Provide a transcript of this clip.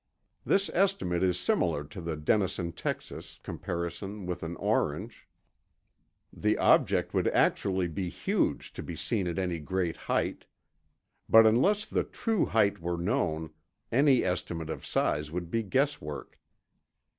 This estimate is similar to the Denison, Texas, comparison with an orange. The object would actually be huge to be seen at any great height. But unless the true height were known, any estimate of size would be guesswork.